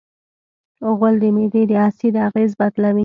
غول د معدې د اسید اغېز بدلوي.